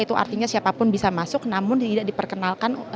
itu artinya siapapun bisa masuk namun tidak diperkenalkan